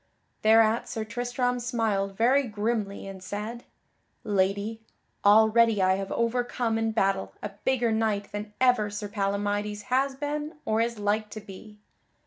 Thereat Sir Tristram smiled very grimly, and said: "Lady, already I have overcome in battle a bigger knight than ever Sir Palamydes has been or is like to be."